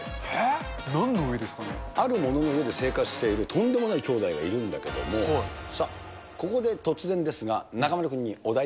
あるものの上で生活しているとんでもない兄弟がいるんだけども、さあ、ここで突然ですが、はい。